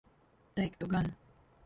Teiktu gan.